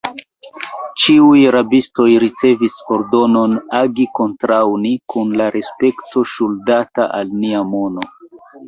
Ĉiuj rabistoj ricevis ordonon agi kontraŭ ni kun la respekto ŝuldata al nia mono.